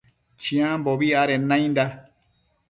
Chiambobi adenda nainda